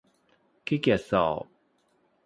ขี้เกียจสอบ